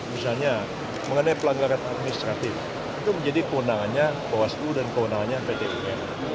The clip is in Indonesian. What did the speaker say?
misalnya mengenai pelanggaran administratif itu menjadi kewenangannya bawaslu dan kewenangannya pt un